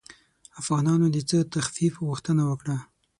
افغانانو د څه تخفیف غوښتنه وکړه.